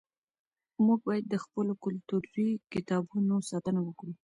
موږ باید د خپلو کلتوري کتابتونونو ساتنه وکړو.